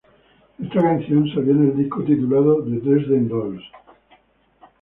Esta canción salió en el disco titulado "The Dresden Dolls"